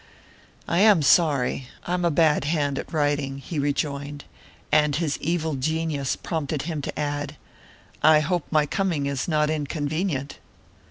"I am sorry I'm a bad hand at writing," he rejoined; and his evil genius prompted him to add: "I hope my coming is not inconvenient?"